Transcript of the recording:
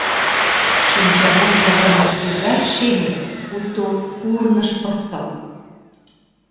Шинчавунжо гын тугай шеме, пуйто курныж пыстыл.